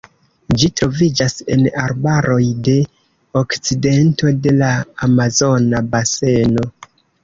Ĝi troviĝas en arbaroj de okcidento de la Amazona Baseno.